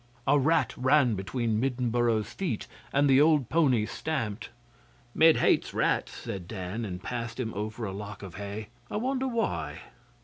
A rat ran between Middenboro's feet, and the old pony stamped. 'Mid hates rats,' said Dan, and passed him over a lock of hay. 'I wonder why.